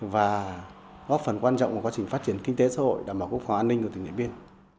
và góp phần quan trọng vào quá trình phát triển kinh tế xã hội đảm bảo quốc phòng an ninh của tỉnh điện biên